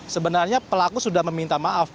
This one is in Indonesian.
sebenarnya pelaku sudah meminta maaf